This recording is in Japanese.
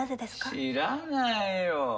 知らないよ。